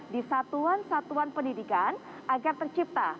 di satuan satuan pendidikan agar tercipta